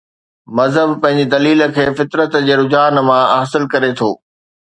مذهب پنهنجي دليل کي فطرت جي رجحان مان حاصل ڪري ٿو.